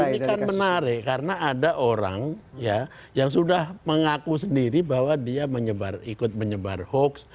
ini kan menarik karena ada orang yang sudah mengaku sendiri bahwa dia menyebar ikut menyebar hoax